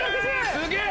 すげえ！